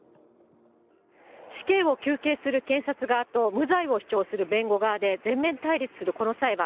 死刑を求刑する検察側と、無罪を主張する弁護側で、全面対立するこの裁判。